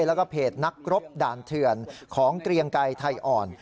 แล้วก็เพจนักรบด่านเถื่อนของเกรียงไกรไทยอ่อน